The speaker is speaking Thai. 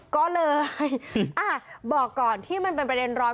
ก็เลยบอกก่อนที่มันเป็นประเด็นร้อน